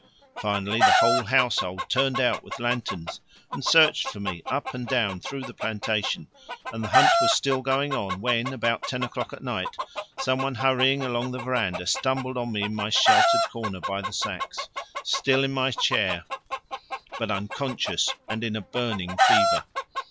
Finally the whole household turned out with lanterns and searched for me up and down through the plantation, and the hunt was still going on when, about ten o'clock at night, some one hurrying along the verandah stumbled on me in my sheltered corner by the sacks, still in my chair but unconscious and in a burning fever.